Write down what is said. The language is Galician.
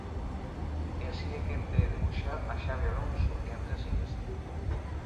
E así é quen de debuxar a Xavi Alonso e a Andrés Iniesta.